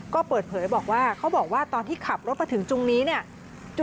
ก็เปิดเผยบอกว่าเขาบอกว่าตอนที่ขับรถมาถึงตรงนี้เนี่ย